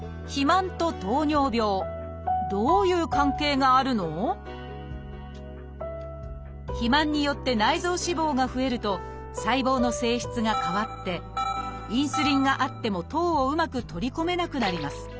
でも肥満によって内臓脂肪が増えると細胞の性質が変わってインスリンがあっても糖をうまく取り込めなくなります。